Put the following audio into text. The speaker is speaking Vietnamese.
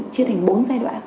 chia thành bốn giai đoạn